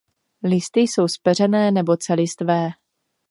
Listy jsou zpeřené nebo celistvé.